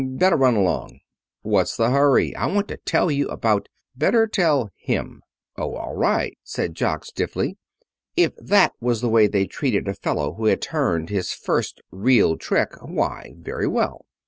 Better run along." "What's the hurry? I want to tell you about " "Better tell him." "Oh, all right," said Jock stiffly. If that was the way they treated a fellow who had turned his first real trick, why, very well.